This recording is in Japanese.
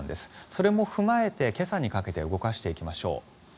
それも踏まえて今朝にかけて動かしていきましょう。